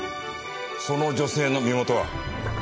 その女性の身元は？